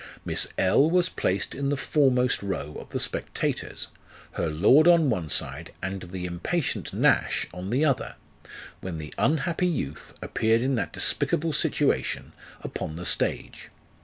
Miss L. was placed in the foremost row of the spectators, her lord on one side, and the impatient Nash on the other, when the unhappy youth appeared in that despicable situation upon the stage.